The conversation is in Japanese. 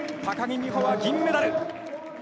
高木美帆は銀メダル。